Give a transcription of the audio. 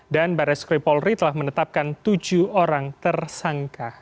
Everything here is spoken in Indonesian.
dan baris kripolri telah menetapkan tujuh orang tersangka